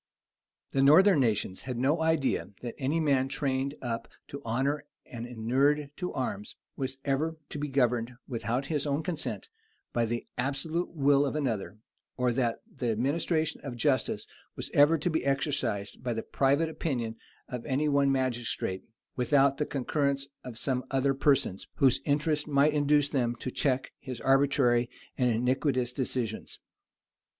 ] The northern nations had no idea that any man trained up to honor and inured to arms, was ever to be governed, without his own consent, by the absolute will of another; or that the administration of justice was ever to be exercised by the private opinion of any one magistrate, without the concurrence of some other persons, whose interest might induce them to check his arbitrary and iniquitous decisions.